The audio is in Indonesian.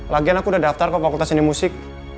lagian aku udah daftar ke fakultas seni musik